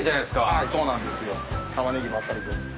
はいそうなんですよ。玉ねぎばっかりです。